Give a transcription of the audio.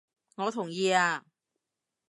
我同意啊！